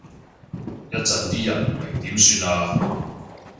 一陣啲人唔明點算啊？